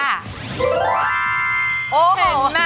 เห็นไหม